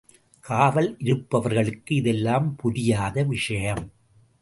காவல் இருப்பவர்களுக்கு இதெல்லாம் புரியாத விஷயம்.